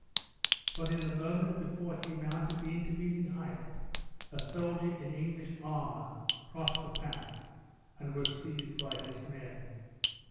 But in the moment before he mounted the intervening height, a soldier in English armor crossed the path, and was seized by his men.